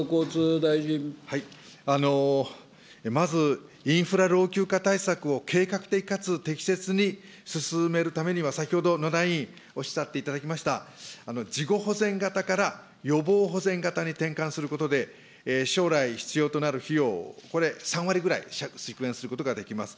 まず、インフラ老朽化対策を計画的かつ適切に進めるためには、先ほど、野田委員おっしゃっていただきました事後保全型から予防保全型に転換することで、将来必要となる費用をこれ、３割ぐらい縮減することができます。